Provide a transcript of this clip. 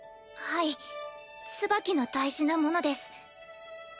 はいツバキの大事なものです。